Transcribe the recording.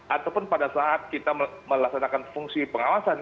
ataupun pada saat kita melaksanakan fungsi pengawasan